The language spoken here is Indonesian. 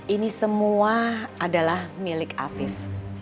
ini semua adalah milik afif